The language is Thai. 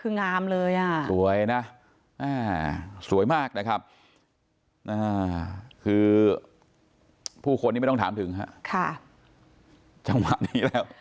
คืองามเลยอ่ะสวยนะสวยมากนะครับคือผู้คนนี้ไม่ต้องถามถึงฮะค่ะจังหวะนี้แล้ว